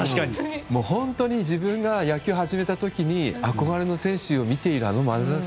本当に自分が野球を始めた時に憧れの選手を見ているあのまなざし。